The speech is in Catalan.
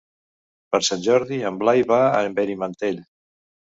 Per Sant Jordi en Blai va a Benimantell.